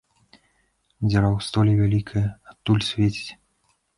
Дзіра ў столі вялікая, адтуль свеціць.